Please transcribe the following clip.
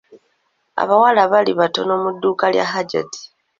Abawala baali batono mu dduuka lya Hajjati.